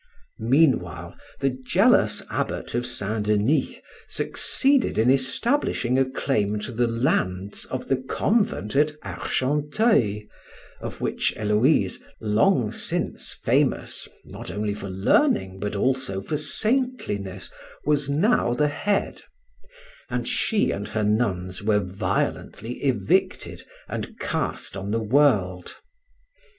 Meanwhile the jealous abbot of St. Denis succeeded in establishing a claim to the lands of the convent at Argenteuil, of which Héloïse, long since famous not only for learning but also for saintliness, was now the head, and she and her nuns were violently evicted and cast on the world.